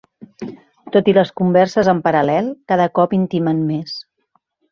Tot i les converses en paral·lel, cada cop intimen més.